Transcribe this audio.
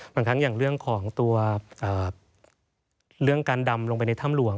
บางครั้งอย่างเรื่องของตัวเรื่องการดำลงไปในถ้ำหลวง